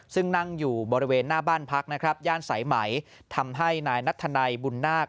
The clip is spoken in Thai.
ซึ่งนั่งอยู่บริเวณหน้าบ้านพักนะครับย่านสายไหมทำให้นายนัทธนัยบุญนาค